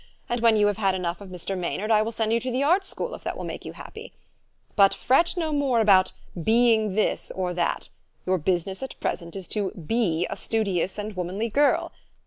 And, when you have had enough of Mr. Maynard, I will send you to the Art School, if that will make you happy. But fret no more about ' be ing ' this or that. Your business at present is to 4 be ' a studious and womanly girl.